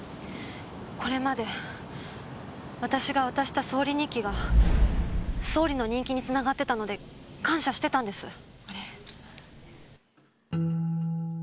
これまで私が渡した総理日記が総理の人気に繋がってたので感謝してたんです。